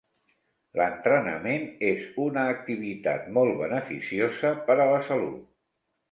L'entrenament és una activitat molt beneficiosa per a la salut.